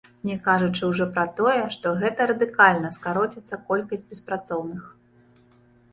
Не кажучы ўжо пра тое, што гэта радыкальна скароціцца колькасць беспрацоўных.